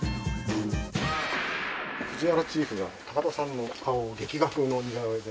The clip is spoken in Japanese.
ふじわらチーフが高田さんの顔を劇画風の似顔絵で。